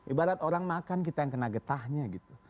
ibarat orang makan kita yang kena getahnya gitu